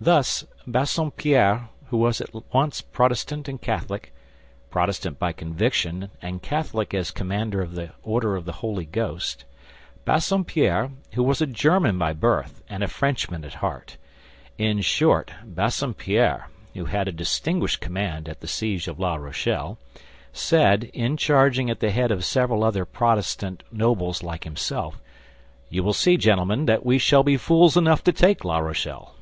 Thus Bassompierre, who was at once Protestant and Catholic—Protestant by conviction and Catholic as commander of the order of the Holy Ghost; Bassompierre, who was a German by birth and a Frenchman at heart—in short, Bassompierre, who had a distinguished command at the siege of La Rochelle, said, in charging at the head of several other Protestant nobles like himself, "You will see, gentlemen, that we shall be fools enough to take La Rochelle."